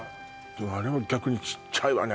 あれは逆にちっちゃいわね